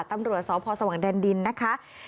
ตำรวจสพสว่างแดนดินนะคะ